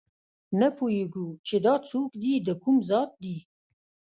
نه پوهېږو چې دا څوک دي دکوم ذات دي